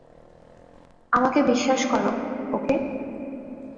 আমাকে বিশ্বাস কর - ওকে।